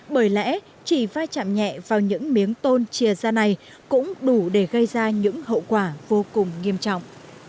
bởi lẽ chỉ vai chạm nhẹ vào những miếng tôn chia ra này cũng đủ để gây ra những hậu quả vô cùng nghiêm trọng